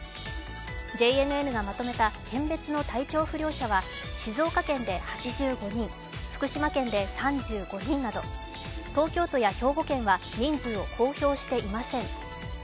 ＪＮＮがまとめた県別の体調不良者は静岡県で８５人、福島県で３５人など東京都や兵庫県は人数を公表していません。